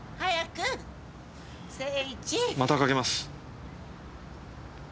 またかけます。